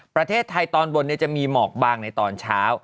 ประเทศไทยตอนบนจะมีหมอกบางในตอนเช้า